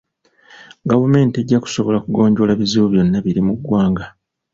Gavumenti tejja kusobola kugonjoola bizibu byonna biri mu ggwanga.